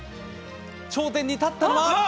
頂点に立ったのは。